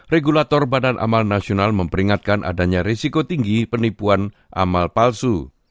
regulator badan amal nasional memperingatkan adanya risiko tinggi penipuan amal palsu